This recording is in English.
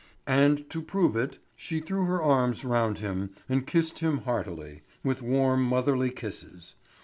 And to prove it she threw her arms round him and kissed him heartily, with warm motherly kisses.